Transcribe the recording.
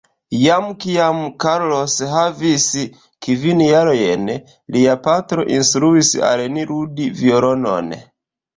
Jam kiam Carlos havis kvin jarojn, lia patro instruis al ni ludi violonon.